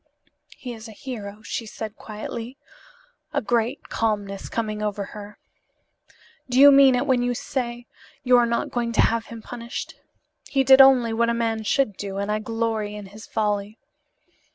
"He is a hero," she said quietly, a great calmness coming over her. "Do you mean it when you say you are not going to have him punished? He did only what a man should do, and I glory in his folly."